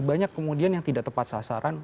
banyak kemudian yang tidak tepat sasaran